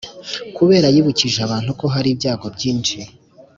kabera yibukije abantu ko hari ibyago byinshi